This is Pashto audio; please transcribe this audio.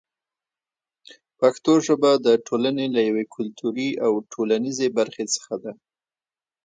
پښتو ژبه د ټولنې له یوې کلتوري او ټولنیزې برخې څخه ده.